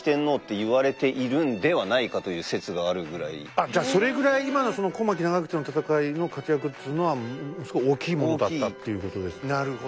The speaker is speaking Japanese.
あっじゃあそれぐらい今のその小牧・長久手の戦いの活躍っつのはすごい大きいものだったっていうことですねなるほど。